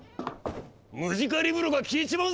ムジカリブロが消えちまうぞ！